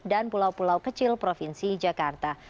pulau pulau kecil provinsi jakarta